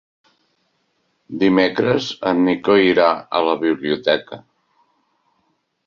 Dimecres en Nico irà a la biblioteca.